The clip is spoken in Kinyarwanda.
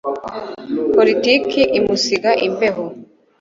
Politiki imusiga imbeho